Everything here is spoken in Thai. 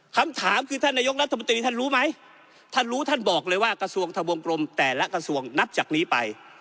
คำถามคือท่านนายกรัฐมนตรีท่านรู้ไหมท่านรู้ท่านบอกเลยว่ากระทรวงทะวงกลมแต่ละกระทรวงนับจากนี้ไป